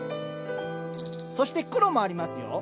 そして黒もありますよ。